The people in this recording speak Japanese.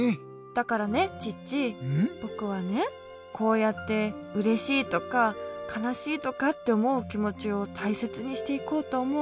だからねチッチぼくはねこうやって「うれしい」とか「かなしい」とかっておもうきもちをたいせつにしていこうとおもうよ。